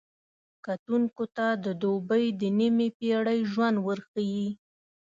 کتونکو ته د دوبۍ د نیمې پېړۍ ژوند ورښيي.